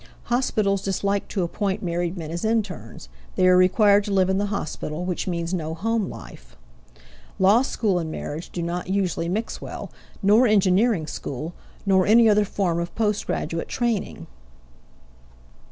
Hospitals dislike to appoint married men as internes; they are required to live in the hospital, which means no home life. Law school and marriage do not usually mix well nor engineering school, nor any other form of post graduate training.